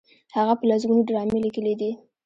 هغه په لسګونو ډرامې لیکلي دي.